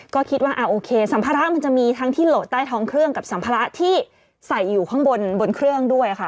ก็คิดว่าโอเคสัมภาระมันจะมีทั้งที่โหลดใต้ท้องเครื่องกับสัมภาระที่ใส่อยู่ข้างบนบนเครื่องด้วยค่ะ